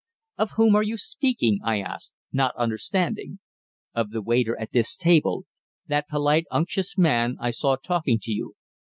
"Of whom are you speaking?" I asked, not understanding. "Of the waiter at this table that polite, unctuous man I saw talking to you.